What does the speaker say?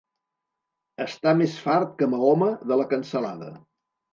Estar més fart que Mahoma de la cansalada.